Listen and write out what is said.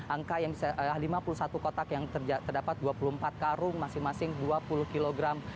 angka yang bisa lima puluh satu kotak yang terdapat dua puluh empat karung masing masing dua puluh kilogram